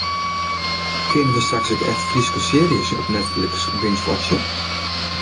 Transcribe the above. Kinne we straks ek echt Fryske searjes op Netflix bingewatche?